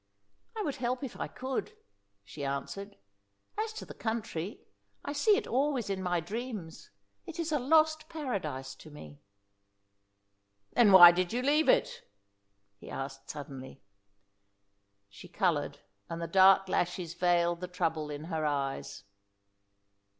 "I would help if I could," she answered. "As to the country, I see it always in my dreams. It is a lost Paradise to me." "Then why did you leave it?" he asked suddenly. She coloured, and the dark lashes veiled the trouble in her eyes.